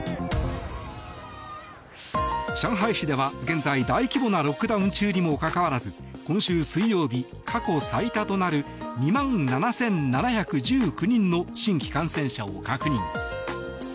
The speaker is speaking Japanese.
上海市では現在、大規模なロックダウン中にもかかわらず今週水曜日、過去最多となる２万７７１９人の新規感染者を確認。